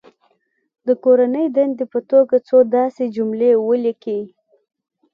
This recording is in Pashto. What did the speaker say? د کورنۍ دندې په توګه څو داسې جملې ولیکي.